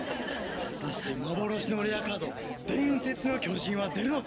果たして幻のレアカード伝説の巨人は出るのか？